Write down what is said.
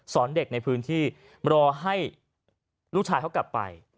สอนเด็กในพื้นที่โดยรอให้ลูกชายกลับไป